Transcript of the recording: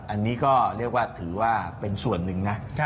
อันนี้ก็ถือว่าเป็นส่วนหนึ่งนะ